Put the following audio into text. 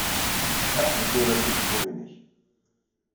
Ḥbes urar s ucebbub-nnek.